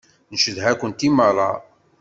Ncedha-kent i meṛṛa.